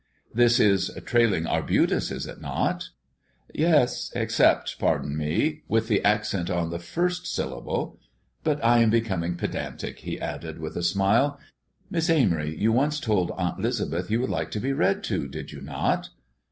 "This is 'trailing arbutus,' is it not?" "Yes; except pardon me with the accent on the first syllable. But I am becoming pedantic," he added, with a smile. "Miss Amory, you once told Aunt 'Lisbeth you would like to be read to, did you not?"